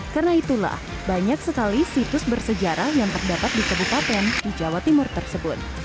karena itulah banyak sekali situs bersejarah yang terdapat di kebukaten di jawa timur tersebut